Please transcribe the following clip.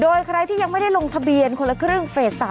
โดยใครที่ยังไม่ได้ลงทะเบียนคนละครึ่งเฟส๓